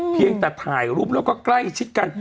เพียงแต่ถ่ายรูปแล้วก็ใกล้ชิดกัน